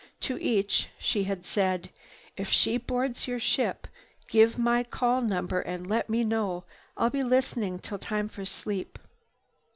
To each she had said, "If she boards your ship, give my call number and let me know. I'll be listening till time for sleep."